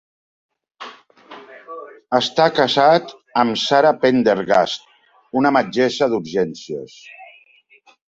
Està casat amb Sara Pendergast, una metgessa d'urgències.